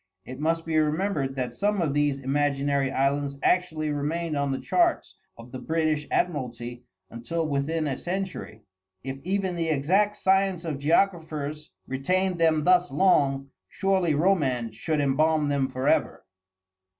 It must be remembered that some of these imaginary islands actually remained on the charts of the British admiralty until within a century. If even the exact science of geographers retained them thus long, surely romance should embalm them forever.